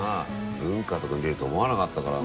文化とか見れると思わなかったからな。